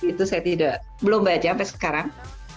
itu saya belum baca sampai sekarang